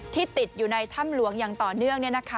ที่ติดอยู่ในถ้ำหลวงอย่างต่อเนื่องเนี่ยนะคะ